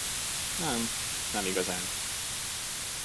Nem, nem igazán.